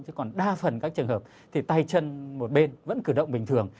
chứ còn đa phần các trường hợp thì tay chân một bên vẫn cử động bình thường